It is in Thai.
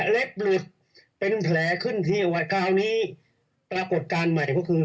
หลุดเป็นแผลขึ้นที่วัดคราวนี้ปรากฏการณ์ใหม่ก็คือ